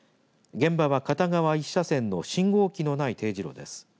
現場は片側１車線の信号機のないＴ字路です。